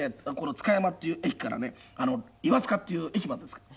塚山っていう駅からね岩塚っていう駅までですから。